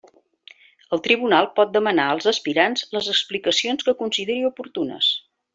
El tribunal pot demanar als aspirants les explicacions que consideri oportunes.